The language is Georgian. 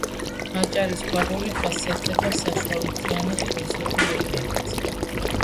აჭარის ქვაბული ხასიათდება საშუალმთიანი ეროზიული რელიეფით.